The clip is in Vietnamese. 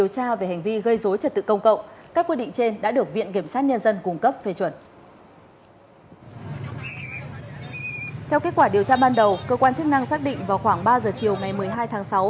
theo kết quả điều tra ban đầu cơ quan chức năng xác định vào khoảng ba giờ chiều ngày một mươi hai tháng sáu